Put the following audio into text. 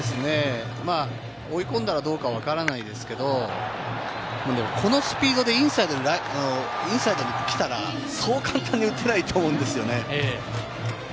追い込んだらどうかわからないですけれど、このスピードでインサイドに来たら、そう簡単に打てないと思うんですよね。